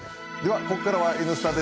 ここからは「Ｎスタ」です。